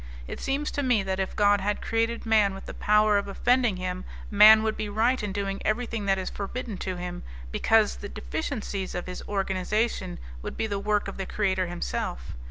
It seems to me that if God had created man with the power of offending Him, man would be right in doing everything that is forbidden to him, because the deficiencies of his organization would be the work of the Creator Himself.